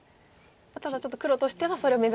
ただちょっと黒としてはそれを目指して。